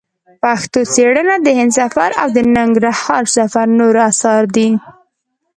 پښتو څېړنه د هند سفر او د ننګرهار سفر نور اثار دي.